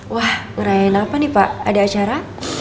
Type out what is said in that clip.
wah uraian apa nih pak ada acara